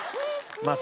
まあ